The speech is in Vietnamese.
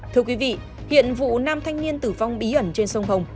thưa quý vị hiện vụ nam thanh niên tử vong bí ẩn trên sông hồng